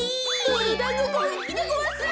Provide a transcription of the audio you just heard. どろだんごこうげきでごわす！